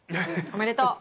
おめでとう。